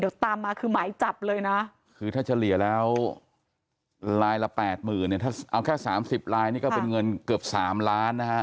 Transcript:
เดี๋ยวตามมาคือหมายจับเลยนะคือถ้าเฉลี่ยแล้วลายละแปดหมื่นเนี่ยถ้าเอาแค่สามสิบลายนี่ก็เป็นเงินเกือบสามล้านนะฮะ